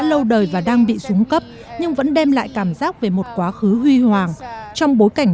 lâu đời và đang bị súng cấp nhưng vẫn đem lại cảm giác về một quá khứ huy hoàng trong bối cảnh